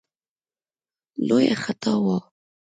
لویه خطا وه.